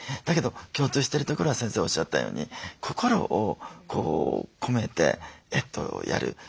だけど共通してるところは先生おっしゃったように心を込めてやる。